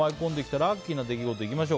ラッキーな出来事いきましょう。